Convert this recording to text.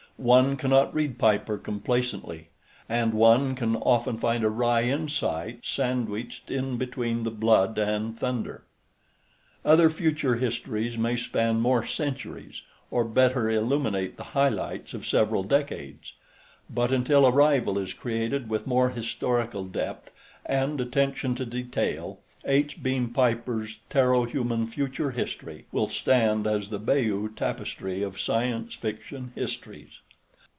One cannot read Piper complacently. And one can often find a wry insight sandwiched in between the blood and thunder. Other future histories may span more centuries or better illuminate the highlights of several decades, but until a rival is created with more historical depth and attention to detail, H. Beam Piper's Terro Human Future History will stand as the Bayeux Tapestry of science fiction histories.